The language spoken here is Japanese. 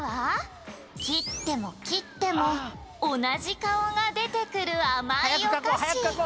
「切っても切っても同じ顔が出てくる甘いお菓子」